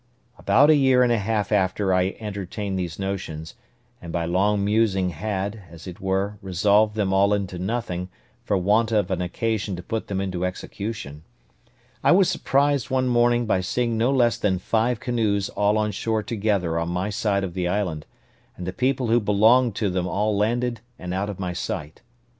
About a year and a half after I entertained these notions (and by long musing had, as it were, resolved them all into nothing, for want of an occasion to put them into execution), I was surprised one morning by seeing no less than five canoes all on shore together on my side the island, and the people who belonged to them all landed and out of my sight.